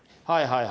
はい。